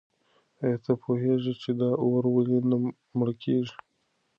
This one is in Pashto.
آیا ته پوهېږې چې دا اور ولې نه مړ کېږي؟